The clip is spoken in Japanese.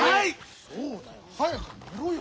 そうだよ早く寝ろよ。